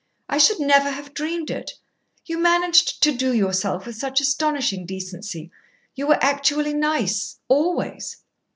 "I should never have dreamed it. You managed to do yourself with such astonishing decency. You were actually nice always."